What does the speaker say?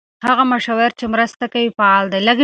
هغه مشاور چې مرسته کوي فعال دی.